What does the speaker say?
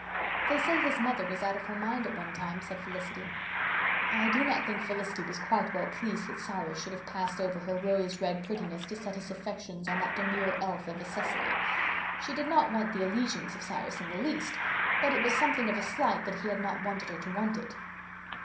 "They say his mother was out of her mind at one time," said Felicity. I do not think Felicity was quite well pleased that Cyrus should have passed over her rose red prettiness to set his affections on that demure elf of a Cecily. She did not want the allegiance of Cyrus in the least, but it was something of a slight that he had not wanted her to want it.